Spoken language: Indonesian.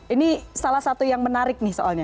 ini salah satu yang menarik nih soalnya